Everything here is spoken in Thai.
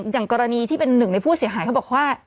อย่างกรณีที่เป็นหนึ่งในผู้เสียหายเขาบอกว่า